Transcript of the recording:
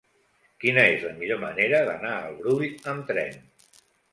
Quina és la millor manera d'anar al Brull amb tren?